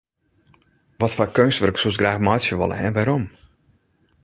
Watfoar keunstwurk soest graach meitsje wolle en wêrom?